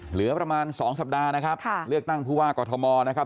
เหลือประมาณสองสัปดาห์นะครับเลือกตั้งผู้ว่ากอทมนะครับ